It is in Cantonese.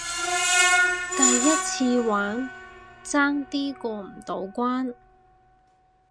第一次玩，爭啲過唔到關